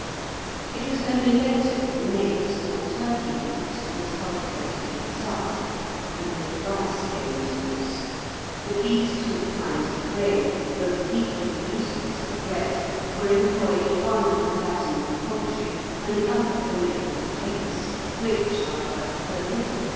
It was only later that maize, or Turkey wheat, was cultivated in the south, and that rice came into use; but these two kinds of grain, both equally useless for bread, were employed the one for fattening poultry, and the other for making cakes, which, however, were little appreciated.